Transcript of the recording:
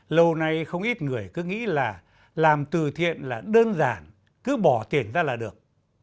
lâu nay không ít người cứ nghĩ là làm từ thiện là đơn giản cứ bỏ tiền ra là được